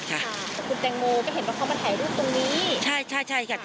คุณแตงโมก็เห็นว่าเขามาถ่ายรูปตรงนี้